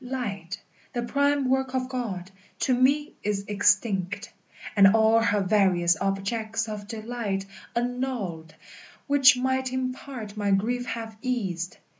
Light, the prime work of God, to me is extinct, And all her various objects of delight Annulled, which might in part my grief have eased.